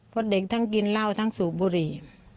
เพราะเด็กทั้งกินเหล้าทั้งสูบบุหรี่